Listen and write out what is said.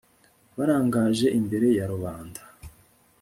barangaje imbere ya rubanda